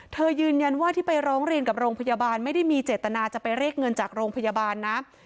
ยืนยันว่าที่ไปร้องเรียนกับโรงพยาบาลไม่ได้มีเจตนาจะไปเรียกเงินจากโรงพยาบาลนะ